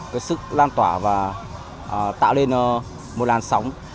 có sức lan tỏa và tạo nên một làn sóng